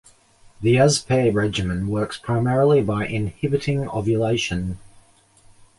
The Yuzpe regimen works primarily by inhibiting ovulation.